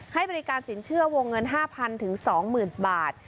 ให้บริการสินเชื่อวงเงิน๕๐๐๒๐๐๐บาท